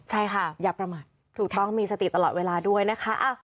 ใช่ค่ะอย่าประมาทถูกต้องมีสติตลอดเวลาด้วยนะคะ